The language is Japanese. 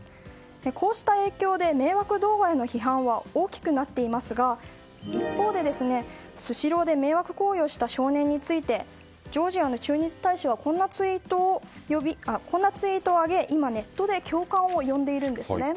こうした影響で迷惑動画への批判は大きくなっていますが一方で、スシローで迷惑行為をした少年についてジョージアの駐日大使はこんなツイートを上げ今、ネットで共感を呼んでいるんです。